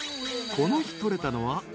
［この日取れたのは］